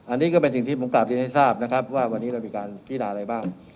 อันนี้ก็เป็นสิ่งที่ผมกลับเรียนให้ทราบนะครับว่าวันนี้เรามีการพินาอะไรบ้าง